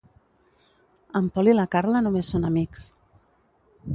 En Pol i la Carla només són amics.